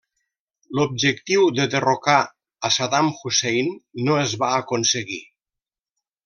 L'objectiu de derrocar a Saddam Hussein no es va aconseguir.